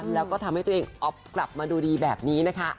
แล้วก็ทำให้ตัวเองอ๊อฟกลับมาดูดีแบบนี้นะคะ